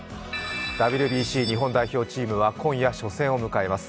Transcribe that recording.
ＷＢＣ日本代表チームは今夜初戦を迎えます。